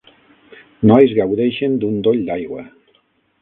Nois gaudeixen d'un doll d'aigua.